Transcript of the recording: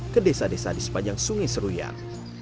ke desa desa di sepanjang sungai seruyan